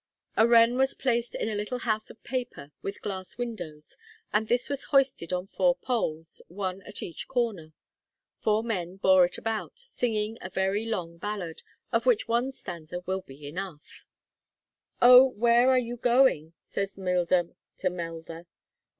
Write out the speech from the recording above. A wren was placed in a little house of paper, with glass windows, and this was hoisted on four poles, one at each corner. Four men bore it about, singing a very long ballad, of which one stanza will be enough: [Music: O! where are you go ing? says Mil der to Mel der, O!